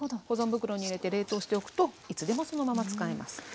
保存袋に入れて冷凍しておくといつでもそのまま使えます。